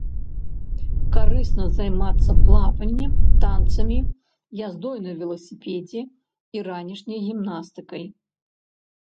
Карысна займацца плаваннем, танцамі, яздой на веласіпедзе і ранішняй гімнастыкай.